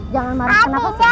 jangan marah kenapa sih mas